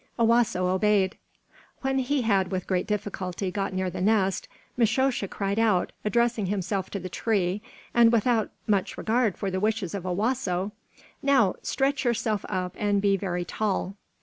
Owasso obeyed. When he had with great difficulty got near the nest, Mishosha cried out, addressing himself to the tree, and without much regard for the wishes of Owasso: "Now stretch yourself up and he very tall."